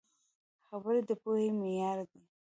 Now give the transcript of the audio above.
خبرې د پوهې معیار دي